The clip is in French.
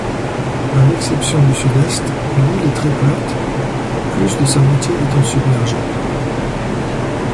À l'exception du sud-est, l'île est très plate, plus de sa moitié étant submergée.